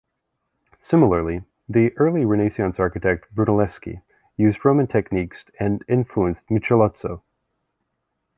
Similarly, the early Renaissance architect Brunelleschi used Roman techniques and influenced Michelozzo.